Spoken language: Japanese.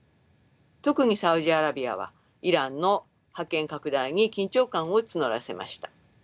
特にサウジアラビアはイランの覇権拡大に緊張感を募らせました。